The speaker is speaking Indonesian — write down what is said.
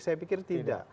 saya pikir tidak